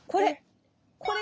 これ！